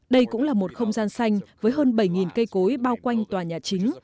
đây cũng là một không gian xanh với hơn bảy cây cối bao quanh tòa nhà chính